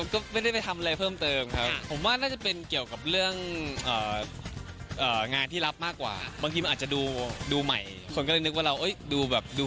ก็ไม่ได้ไปทำอะไรเพิ่มเติมครับผมว่าน่าจะเป็นเกี่ยวกับเรื่องงานที่รับมากกว่าบางทีมันอาจจะดูใหม่คนก็เลยนึกว่าเราดูแบบดู